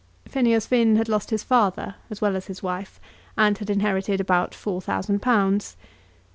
Phineas Finn had lost his father as well as his wife, and had inherited about four thousand pounds.